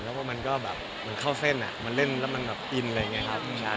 เพราะมันก็แบบเข้าเส้นมันเล่นแล้วมันแบบอิน